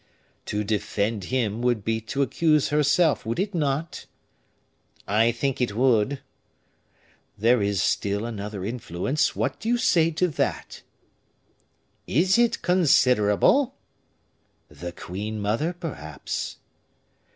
"To defend him would be to accuse herself, would it not?" "I think it would." "There is still another influence, what do you say to that?" "Is it considerable?" "The queen mother, perhaps?"